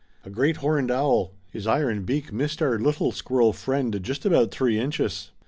"A great horned owl. His iron beak missed our little squirrel friend just about three inches.